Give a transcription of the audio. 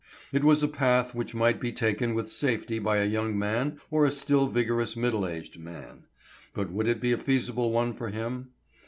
It was a path which might be taken with safety by a young man or a still vigorous middle aged man. But would it be a feasible one for him?